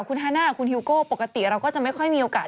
คุณฮาน่ากับคุณฮิวโก้ปกติเราก็จะไม่ค่อยมีโอกาส